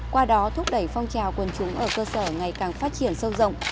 qua đó thúc đẩy phong trào quân chúng ở cơ sở ngày càng phát triển sâu rộng